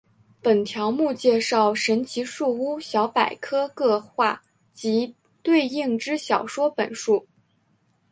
本条目介绍神奇树屋小百科各话及对应之小说本数。